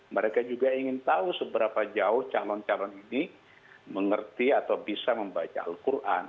mereka juga ingin tahu seberapa jauh calon calon ini mengerti atau bisa membaca al quran